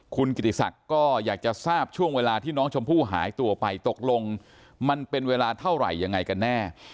คุณกิติศักดิ์ก็อยากจะทราบช่วงเวลาที่น้องชมพู่หายตัวไปตกลงมันเป็นเวลาเท่าไหร่ยังไงกันแน่